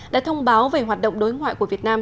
đã thông báo về hoạt động đối ngoại của việt nam